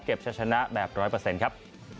เก็บชนะแบบ๑๐๐ครับ